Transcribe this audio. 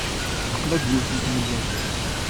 Teqla-d yiwet n tmellalt.